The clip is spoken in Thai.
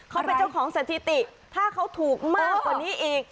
เขาเป็นเจ้าของสถิติถ้าเขาถูกมากกว่านี้อีก